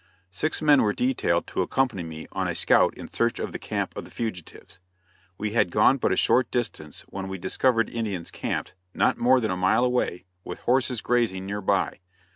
Six men were detailed to accompany me on a scout in search of the camp of the fugitives. We had gone but a short distance when we discovered Indians camped, not more than a mile away, with horses grazing near by.